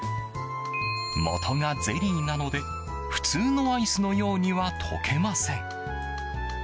もとがゼリーなので、普通のアイスのようには溶けません。